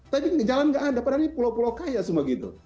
tapi jalan nggak ada padahal ini pulau pulau kaya semua gitu